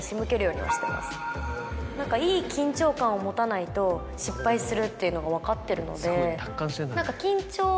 何かいい緊張感を持たないと失敗するっていうのが分かってるので。